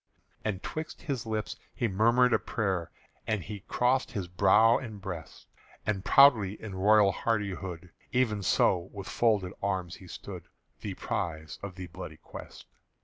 And 'twixt his lips he murmured a prayer, And he crossed his brow and breast; And proudly in royal hardihood Even so with folded arms he stood The prize of the bloody quest.